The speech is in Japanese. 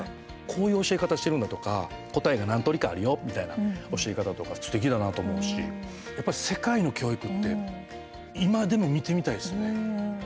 こういう教え方しているんだとか答えが何通りかあるよみたいな教え方とか、すてきだなと思うしやっぱり世界の教育って今でも見てみたいですね。